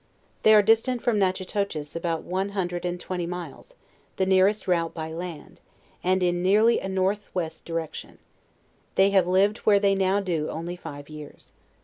They are distant from NatchiUnhes about one hundred aad twenty miles, the nearest route by land, and in nearly a north west direction. They have lived where they now do only five years.